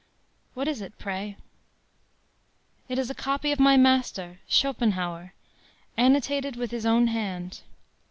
” “What is it, pray?” “It is a copy of my master, Schopenhauer, annotated with his own hand.